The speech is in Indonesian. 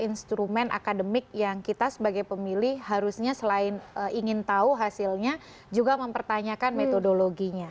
instrumen akademik yang kita sebagai pemilih harusnya selain ingin tahu hasilnya juga mempertanyakan metodologinya